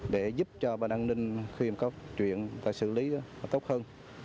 để giúp cho bàn an ninh khi có chuyện xử lý tốt hơn